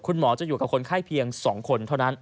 คุณหมอจะอยู่กับคนไข้เพียง๒คนเท่านั้น